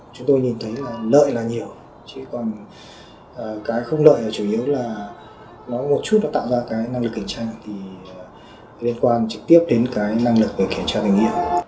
chúng tôi nhìn thấy là lợi là nhiều chỉ còn cái không lợi là chủ yếu là nó một chút nó tạo ra cái năng lực cạnh tranh thì liên quan trực tiếp đến cái năng lực về kiểm tra ngành nghiệp